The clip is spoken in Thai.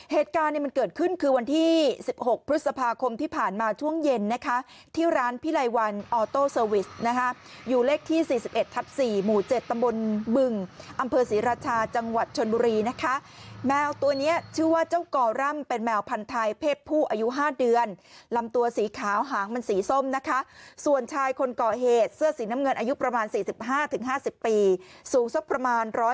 เหตุการณ์เนี้ยมันเกิดขึ้นคือวันที่สิบหกพฤษภาคมที่ผ่านมาช่วงเย็นนะคะที่ร้านพิลัยวันออโต้เซอร์วิสนะคะอยู่เลขที่สี่สิบเอ็ดทับสี่หมู่เจ็ดตำบลบึงอำเภอศรีราชาจังหวัดชนบุรีนะคะแมวตัวเนี้ยชื่อว่าเจ้าก่อร่ำเป็นแมวพันทายเพศผู้อายุห้าเดือนลำตัวสีขาวหางมันสีส้ม